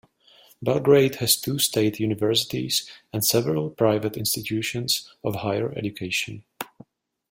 Belgrade has two state universities and several private institutions of higher education.